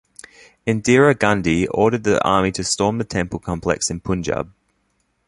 Indira Gandhi ordered the army to storm the temple complex in Punjab.